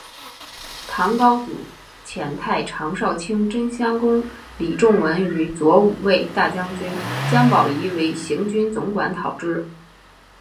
唐高祖遣太常少卿真乡公李仲文与左武卫大将军姜宝谊为行军总管讨之。